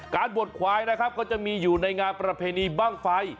บทควายนะครับก็จะมีอยู่ในงานประเพณีบ้างไฟ